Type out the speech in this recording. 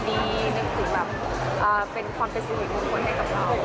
นึกถึงแบบเป็นความเป็นสิริมงคลให้กับเรา